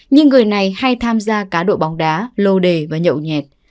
nhưng người này hay tham gia cá độ bóng đá lô đề và nhậu nhẹt